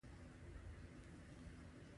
ما کانت ګریفي بارکلي او فرګوسن ته معرفي کړ.